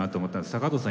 高藤さん？